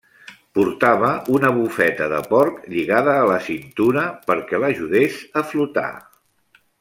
Portava una bufeta de porc lligada a la cintura perquè l'ajudés a flotar.